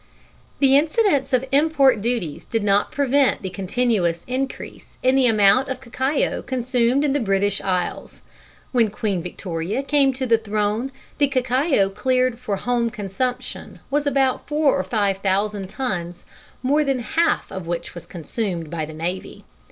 _ The incidence of import duties did not prevent the continuous increase in the amount of cacao consumed in the British Isles. When Queen Victoria came to the throne the cacao cleared for home consumption was about four or five thousand tons, more than half of which was consumed by the Navy.